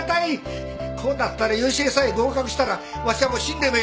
こうなったら良恵さえ合格したらわしはもう死んでもええ。